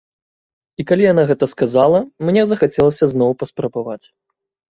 І калі яна гэта сказала, мне захацелася зноў паспрабаваць.